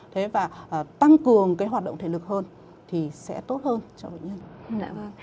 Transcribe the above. thế và tăng cường cái hoạt động thể lực hơn thì sẽ tốt hơn cho bệnh nhân